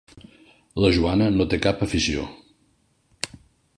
La Joana no té cap afició.